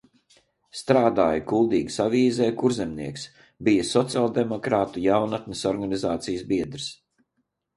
"Strādāja Kuldīgas avīzē "Kurzemnieks", bija sociāldemokrātu jaunatnes organizācijas biedrs."